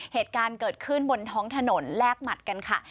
เหตุการณ์เกิดขึ้นบนท้องถนนแลกหมัดกันค่ะ